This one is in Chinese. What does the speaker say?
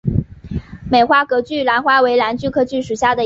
美花隔距兰为兰科隔距兰属下的一个种。